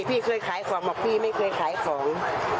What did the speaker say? พี่เคยขายของบอกพี่ไม่เคยขายของ